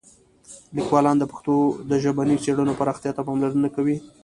لیکوالان د پښتو د ژبني څېړنو پراختیا ته پاملرنه نه کوي.